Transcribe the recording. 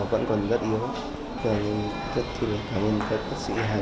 vẫn bình thường và